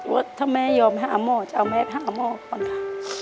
ว่าถ้าแม่ยอมหาหมอจะเอาแม่พาหมอก่อนค่ะ